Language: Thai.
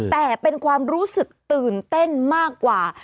แต่เป็นความรู้สึกตื่นเต้นมากกว่า